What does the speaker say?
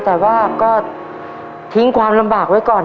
แต่ว่าก็ทิ้งความลำบากไว้ก่อน